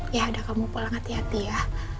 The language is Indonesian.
ya ada kamu pulang hati hati ya